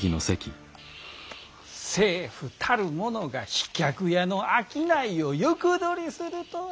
政府たるものが飛脚屋の商いを横取りするとは。